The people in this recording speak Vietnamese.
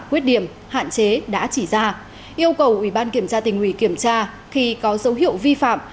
quyết điểm hạn chế đã chỉ ra yêu cầu ubnd tp hcm kiểm tra khi có dấu hiệu vi phạm